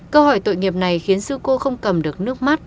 câu hỏi tội nghiệp này khiến sư cô không cầm được nước mắt